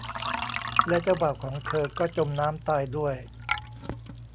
และเจ้าบ่าวของเธอก็จมน้ำตายด้วย